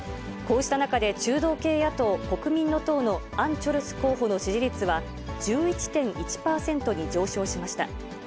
こうした中で中道系野党・国民の党のアン・チョルス候補の支持率は１１．１％に上昇しました。